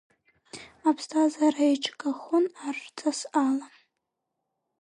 Аԥсҭазаара еиҿкаахон ар рҵас ала.